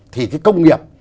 thì cái công nghiệp